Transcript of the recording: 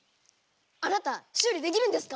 あなた修理できるんですか？